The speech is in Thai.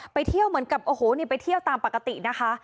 ไปเที่ยวเหมือนกับโอ้โหนี่ไปเที่ยวตามปกตินะคะ